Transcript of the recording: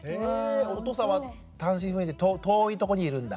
お父さんは単身赴任で遠いとこにいるんだ？